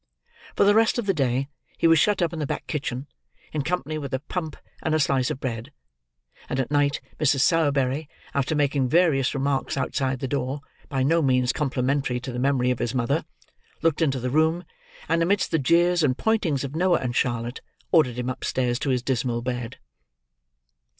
For the rest of the day, he was shut up in the back kitchen, in company with a pump and a slice of bread; and at night, Mrs. Sowerberry, after making various remarks outside the door, by no means complimentary to the memory of his mother, looked into the room, and, amidst the jeers and pointings of Noah and Charlotte, ordered him upstairs to his dismal bed.